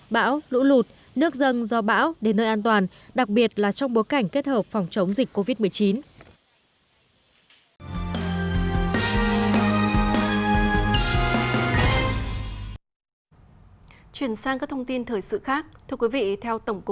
bão lũ lụt nước dâng do bão đến nơi an toàn đặc biệt là trong bối cảnh kết hợp phòng chống dịch covid một mươi chín